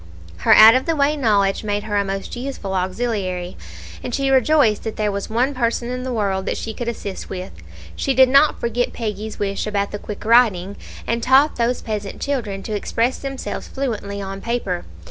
Her out of the way knowledge made her a most useful auxiliary, and she rejoiced that there was one person in the world that she could assist with it. She did not forget Peggy's wish about the quick writing, and taught those peasant children to express themselves fluently on paper.